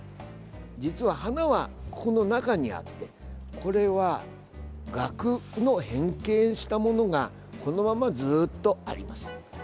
実は、花はこの中にあってこれは、がくの変形したものがこのままずっとあります。